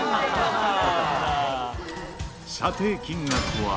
査定金額は。